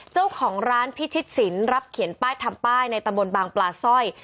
เจ้าของร้านพิชิตสินรับเขียนป้ายทำป้ายในตะบนบางปลาสร้อย